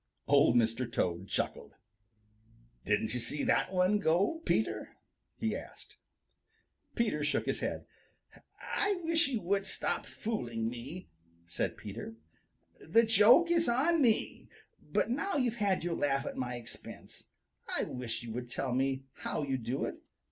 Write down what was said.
Old Mr. Toad chuckled. "Didn't you see that one go, Peter?" he asked. Peter shook his head. "I wish you Would stop fooling me," said Peter. "The joke is on me, but now you've had your laugh at my expense, I wish you would tell me how you do it.